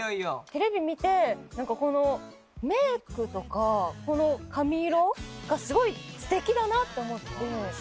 テレビ見てなんかこのメイクとかこの髪色がすごい素敵だなって思ってそこから。